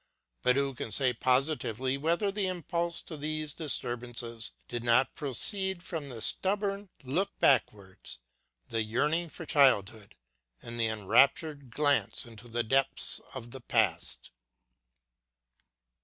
But who can say positively whether the impulse to these disturbances did not proceed from the stubborn look backwards, the yearning for childhood, and the enraptured glance into the depths of the past